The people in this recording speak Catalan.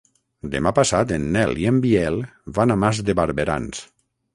Demà passat en Nel i en Biel van a Mas de Barberans.